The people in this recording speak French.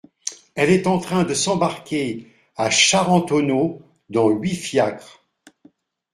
Elle est en train de s’embarquer à Charentonneau… dans huit fiacres…